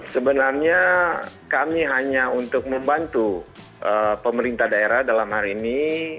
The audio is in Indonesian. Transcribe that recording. sebenarnya kami hanya untuk membantu pemerintah daerah dalam hari ini